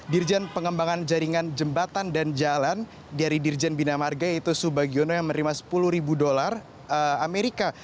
dirjen pengembangan jaringan jembatan dan jalan dari dirjen bina marga yaitu subagiono yang menerima sepuluh ribu dolar amerika